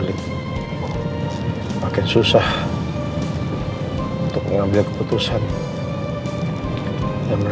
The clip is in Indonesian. segera menikah untuk masukkan pada selanjutnya nuevo